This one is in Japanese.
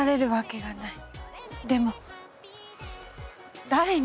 でも誰に？